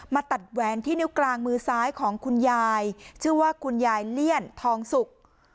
ตัดแหวนที่นิ้วกลางมือซ้ายของคุณยายชื่อว่าคุณยายเลี่ยนทองสุก